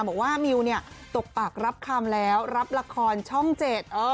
บอกว่ามิวเนี่ยตกปากรับคำแล้วรับละครช่องเจ็ด